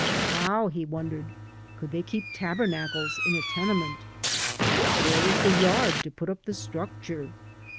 How, he wondered, woidd they keep Tabernacles in a tenement? Where was the yard to put up the structure?